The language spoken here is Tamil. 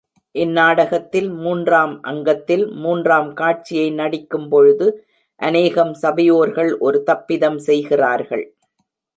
இந்நாடகத்தில், மூன்றாம் அங்கத்தில் மூன்றாம் காட்சியை நடிக்கும் பொழுது அநேகம் சபையோர்கள் ஒரு தப்பிதம் செய்கிறார்கள்.